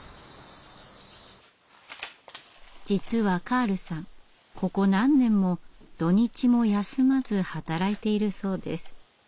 実はカールさんここ何年も土日も休まず働いているそうです。